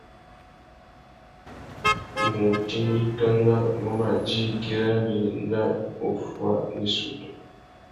Mutindikana mù mà djï güirari nà uffuá nà issutu.